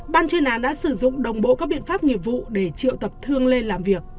ban chuyên án đã sử dụng đồng bộ các biện pháp nghiệp vụ để triệu tập thương lên làm việc